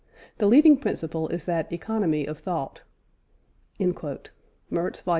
the leading principle is that of Economy of Thought" (Merz, Vol.